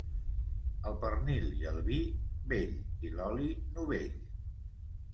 El pernil i el vi, vell i l'oli novell.